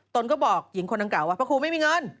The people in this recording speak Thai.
ตนก็บอกหญิงคนดังกล่าวว่าพระครูไม่มีเงิน